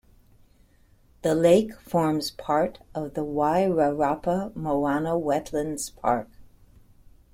The lake forms part of the Wairarapa Moana Wetlands Park.